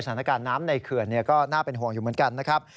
สถานการณ์น้ำในเขื่อนก็น่าเป็นห่วงอยู่เหมือนกันนะครับ